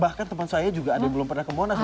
bahkan teman saya juga ada yang belum pernah ke monas